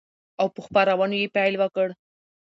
او په خپرونو يې پيل وكړ،